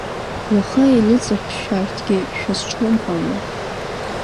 Уаха еилыҵыртә шәарҭгьы шәазҿлымҳаума?